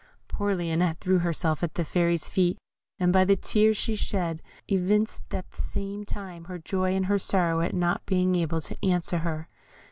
Poor Lionette threw herself at the Fairy's feet, and by the tears she shed, evinced at the same time her joy and her sorrow at not being able to answer her.